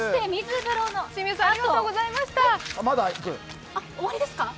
あっ、終わりですか？